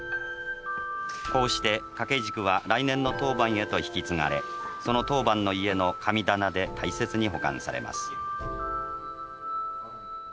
「こうして掛け軸は来年の当番へと引き継がれその当番の家の神棚で大切に保管されます」。